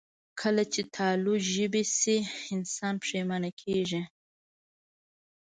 کله چې تالو ژبې شي، انسان پښېمانه کېږي